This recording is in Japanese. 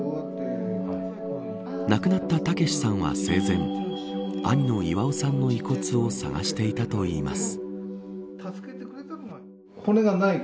亡くなった武さんは生前兄の岩雄さんの遺骨を捜していたといいます。